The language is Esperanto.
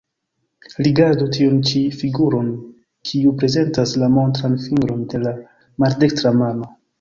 Rigardu tiun ĉi figuron, kiu prezentas la montran fingron de la maldekstra mano.